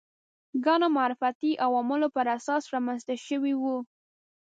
ګڼو معرفتي عواملو پر اساس رامنځته شوي وو